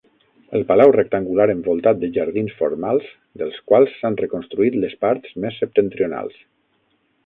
El palau rectangular envoltat de jardins formals, dels quals s'han reconstruït les parts més septentrionals.